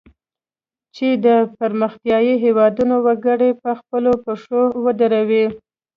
چې د پرمختیایي هیوادونو وګړي په خپلو پښو ودروي.